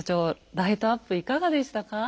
ライトアップいかがでしたか？